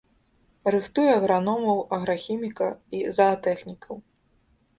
Рыхтуе аграномаў, аграхіміка і заатэхнікаў.